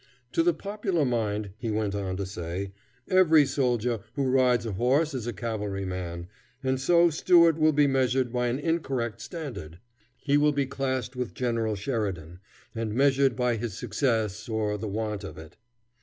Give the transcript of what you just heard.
"To the popular mind," he went on to say, "every soldier who rides a horse is a cavalry man, and so Stuart will be measured by an incorrect standard. He will be classed with General Sheridan and measured by his success or the want of it.